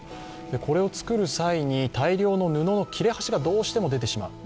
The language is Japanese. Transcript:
これを作る際に大量の布の切れ端がどうしても出てしまう。